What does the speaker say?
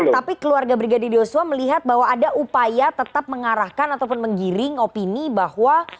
tapi keluarga brigadir yosua melihat bahwa ada upaya tetap mengarahkan ataupun menggiring opini bahwa